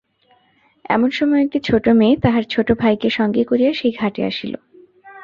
এমন সময়ে একটি ছোটো মেয়ে তাহার ছোটো ভাইকে সঙ্গে করিয়া সেই ঘাটে আসিল।